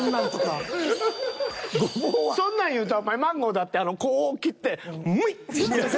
そんなんいうたらお前マンゴーだってこう切ってムイッてしてやったら。